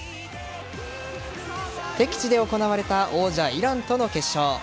敵地で行われた王者・イランとの決勝。